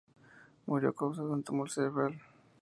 Murió a causa de un tumor cerebral.·.